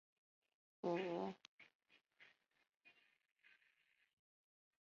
内在证据包括专利文件和任何的专利起诉历史。